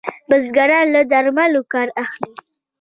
بزګران له درملو کار اخلي.